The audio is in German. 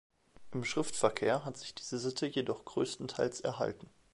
Im Schriftverkehr hat sich diese Sitte jedoch größtenteils erhalten.